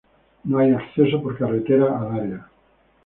No hay acceso por carretera al área.